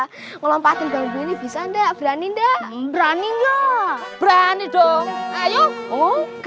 hai gabriel royang ini bisa ndak berani ndak berani jangan podom oh